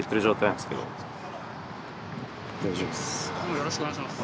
よろしくお願いします。